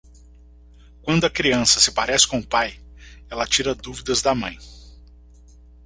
Quando a criança se parece com o pai, ele tira dúvidas da mãe.